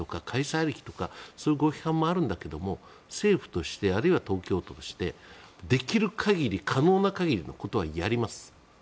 ありきとかそういうご批判もあるんだけど政府としてあるいは東京都としてできる限り可能な限りのことはやります。